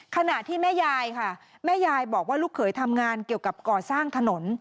ขณะที่แม่ยายค่ะแม่ยายบอกว่าลูกเขยทำงานเกี่ยวกับก่อสร้างถนน